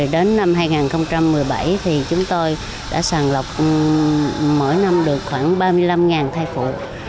đến năm hai nghìn một mươi bảy thì chúng tôi đã sàn lọc mỗi năm được khoảng ba mươi năm thai phụ